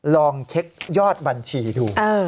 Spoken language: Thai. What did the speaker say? ลองเช็คยอดบัญชีดู